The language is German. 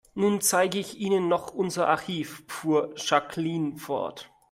Nun zeige ich Ihnen noch unser Archiv, fuhr Jacqueline fort.